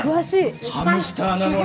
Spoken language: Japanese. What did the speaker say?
ハムスターなのに。